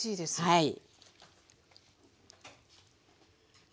はい。